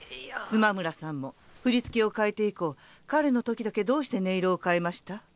妻村さんも振り付けを変えて以降彼のときだけどうして音色を変えました？